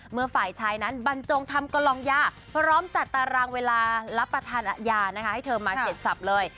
เมื่อฝ่ายชายนั้นบรรจงทำกระลองยาพร้อมจัดตารางเวลารับประทานยานะคะให้เธอมาเสร็จสับเลย